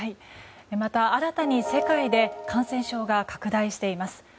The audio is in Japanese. また新たに世界で感染症が拡大しています。